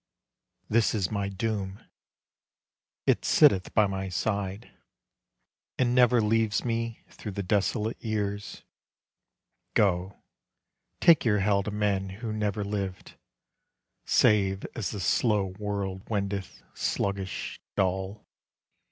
This is my doom, it sitteth by my side, And never leaves me through the desolate years. Go, take your hell to men who never lived, Save as the slow world wendeth, sluggish, dull.